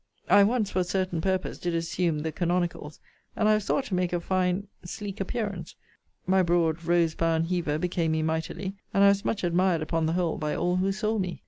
I once, for a certain purpose, did assume the canonicals; and I was thought to make a fine sleek appearance; my broad rose bound beaver became me mightily; and I was much admired upon the whole by all who saw me.